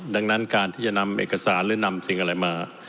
ดังนั้นการที่จะนำเอกสารหรือนำสิ่งอะไรมา